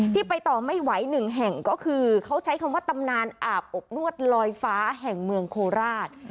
ที่ไปต่อไม่ไหวหนึ่งแห่งก็คือเขาใช้คำว่าตำนานอาบอบนวดลอยฟ้าแห่งเมืองโคราช